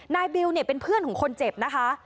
บิวเนี่ยเป็นเพื่อนของคนเจ็บนะคะ